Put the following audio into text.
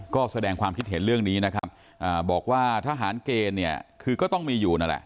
ก็แสดงความคิดเห็นเรื่องนี้บอกว่าทหารเกณฑ์คือก็ต้องมีอยู่